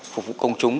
phục vụ công chúng